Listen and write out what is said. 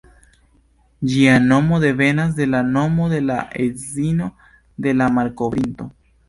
Ĝia nomo devenas de la nomo de la edzino de la malkovrinto.